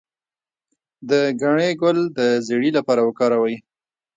د ګنی ګل د زیړي لپاره وکاروئ